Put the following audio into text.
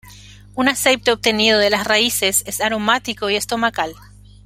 Un aceite obtenido de las raíces es aromático y estomacal.